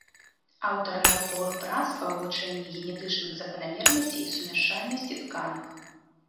Аўтар навуковых прац па вывучэнні генетычных заканамернасцей сумяшчальнасці тканак.